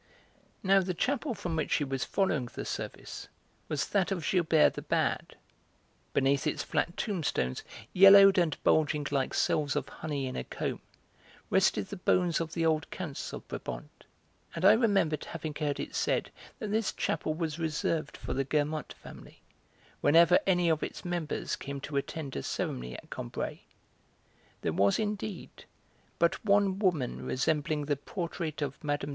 Now the chapel from which she was following the service was that of Gilbert the Bad; beneath its flat tombstones, yellowed and bulging like cells of honey in a comb, rested the bones of the old Counts of Brabant; and I remembered having heard it said that this chapel was reserved for the Guermantes family, whenever any of its members came to attend a ceremony at Combray; there was, indeed, but one woman resembling the portrait of Mme.